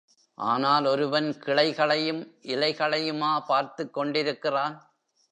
ஆனால் ஒருவன் கிளைகளையும், இலைகளையுமா பார்த்துக் கொண்டிருக்கிறான்.